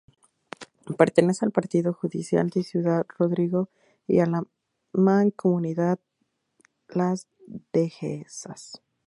Pertenece al partido judicial de Ciudad Rodrigo y a la Mancomunidad Las Dehesas.